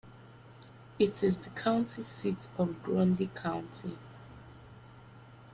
It is the county seat of Grundy County.